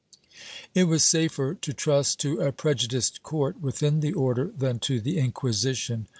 It was safer to trust to a prejudiced court within the Order than to the Inquisition.